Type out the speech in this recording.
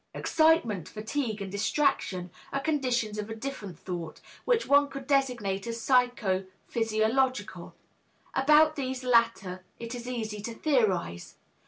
Excitement, fatigue and distraction are conditions of a different sort, which one could designate as psycho physiological. About these latter it is easy to theorize.